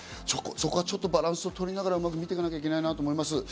そこはちょっとバランスをとりながら見ていかなきゃいけないなと思います。